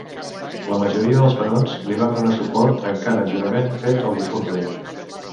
La majoria dels barons li van donar suport, trencant el jurament fet al difunt rei.